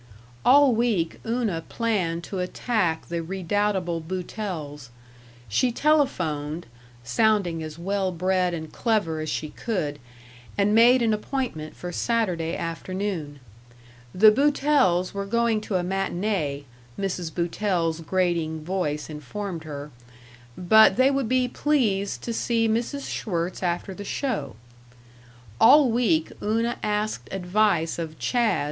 All week Una planned to attack the redoubtable Boutells. She telephoned (sounding as well bred and clever as she could) and made an appointment for Saturday afternoon. The Boutells were going to a matinée, Mrs. Boutell's grating voice informed her, but they would be pleased t' see Mrs. Schwirtz after the show. All week Una asked advice of "Chas.